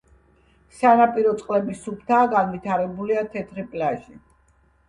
სანაპირო წყლები სუფთაა, განვითარებულია თეთრი პლაჟი.